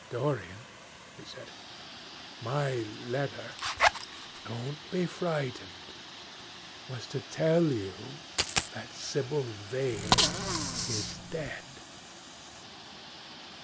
"Dorian," he said, "my letter—don't be frightened—was to tell you that Sibyl Vane is dead."